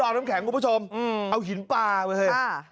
น้ำแข็งคุณผู้ชมเอาหินปลามาเถอะ